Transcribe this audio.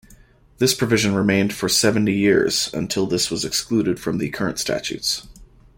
This provision remained for seventy years, until this was excluded from the current statutes.